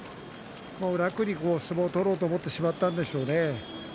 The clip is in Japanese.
楽に相撲を取ろうと思ってしまったんでしょうね。